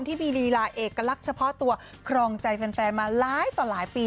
ที่มีลีลาเอกลักษณ์เฉพาะตัวครองใจแฟนมาหลายต่อหลายปี